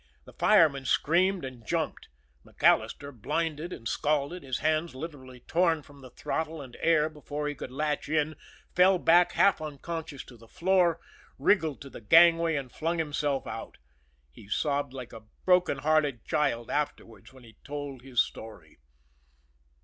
The fireman screamed and jumped. MacAllister, blinded and scalded, his hands literally torn from the throttle and "air" before he could latch in, fell back half unconscious to the floor, wriggled to the gangway and flung himself out. He sobbed like a broken hearted child afterwards when he told his story.